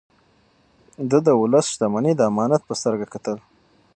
ده د ولس شتمني د امانت په سترګه کتل.